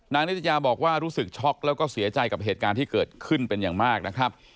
นิตยาบอกว่ารู้สึกช็อกแล้วก็เสียใจกับเหตุการณ์ที่เกิดขึ้นเป็นอย่างมากนะครับ